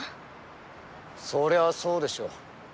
そりゃそうでしょ